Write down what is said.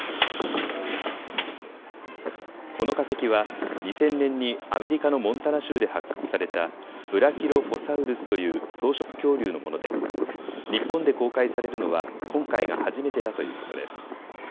この化石は２０００年にアメリカのモンタナ州で発掘されたブラキロフォサウルスという草食恐竜のもので日本で公開されるのは今回が初めてだということです。